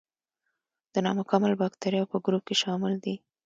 د نامکمل باکتریاوو په ګروپ کې شامل دي.